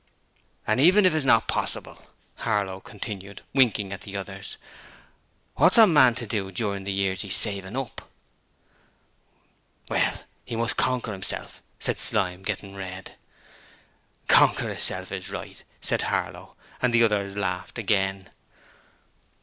'And even if it's not possible,' Harlow continued, winking at the others, 'what's a man to do during the years he's savin' up?' 'Well, he must conquer hisself,' said Slyme, getting red. 'Conquer hisself is right!' said Harlow and the others laughed again.